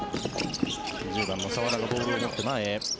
１０番の澤田がボールを持って前へ。